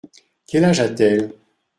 Quel âge a-t-elle ?